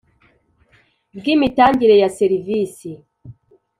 bw imitangire ya serivisi